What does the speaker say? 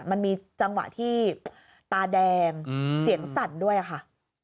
มันมีจังหวะที่ตาแดงเสียงสั่นด้วยค่ะ